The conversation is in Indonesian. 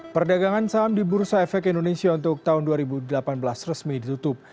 perdagangan saham di bursa efek indonesia untuk tahun dua ribu delapan belas resmi ditutup